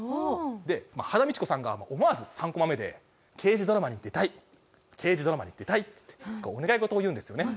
で羽田美智子さんが思わず３コマ目で「刑事ドラマに出たい刑事ドラマに出たい」っつってお願い事を言うんですよね。